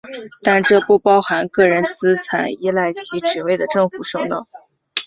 但这不包含个人资产依赖其职位的政府首脑。